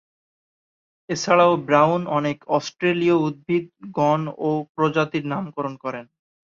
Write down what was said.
এছাড়াও ব্রাউন অনেক অস্ট্রেলীয় উদ্ভিদ গণ ও প্রজাতির নামকরণ করেন।